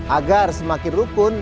agar semakin rukun